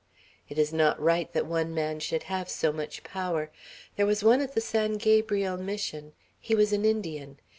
It is not right that one man should have so much power. There was one at the San Gabriel Mission; he was an Indian.